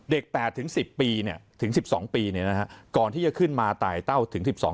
เด็กแปดถึงสิบปีเนี้ยถึงสิบสองปีเนี้ยนะฮะก่อนที่จะขึ้นมาตายเต้าถึงสิบสอง